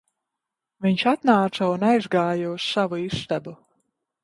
Viņš atnāca un aizgāja uz savu istabu